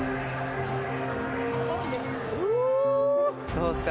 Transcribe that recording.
どうっすか？